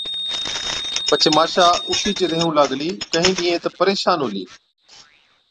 پڇي ماشا اُٺِيچ ريهُون لاگلِي۔ ڪهِين ڏِيهِين تہ پريشان هُلِي